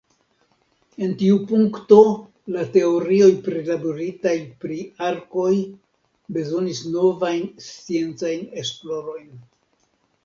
En tiu punkto la teorioj prilaboritaj pri arkoj bezonis novajn sciencajn esplorojn.